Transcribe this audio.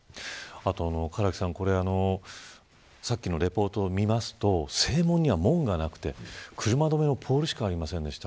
唐木さん、先ほどのリポートによりますと正門には門がなくて車止めのポールしかありませんでした。